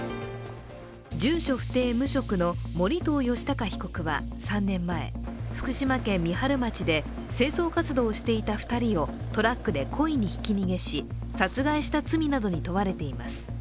住所不定・無職の盛藤吉高被告は３年前福島県三春町で清掃活動していた２人をトラックで故意にひき逃げし殺害した罪などに問われています。